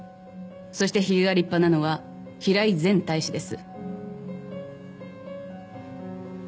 そしてひげが立派なのは平井前大使です。